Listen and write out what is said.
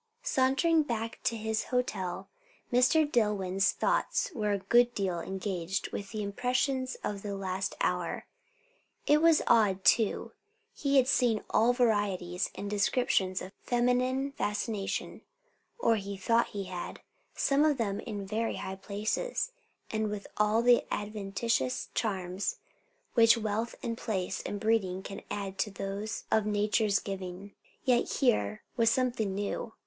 Sauntering back to his hotel, Mr. Dillwyn's thoughts were a good deal engaged with the impressions of the last hour. It was odd, too; he had seen all varieties and descriptions of feminine fascination, or he thought he had; some of them in very high places, and with all the adventitious charms which wealth and place and breeding can add to those of nature's giving. Yet here was something new.